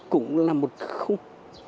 cũng là một không